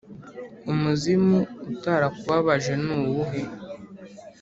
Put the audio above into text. umuzimu utarakubabaje nuwuhe